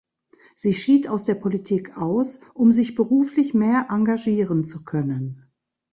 Sie schied aus der Politik aus, um sich beruflich mehr engagieren zu können.